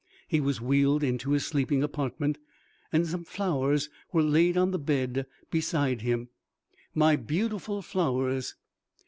He was wheeled into his sleeping apartment, and some flowers laid on the bed beside him. "My beautiful flowers!